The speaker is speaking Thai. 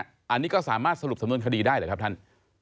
อันนี้ก็สามารถสรุปสำนวนคดีได้หรือครับท่าน